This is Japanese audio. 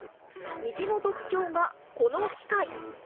店の特徴は、この機械。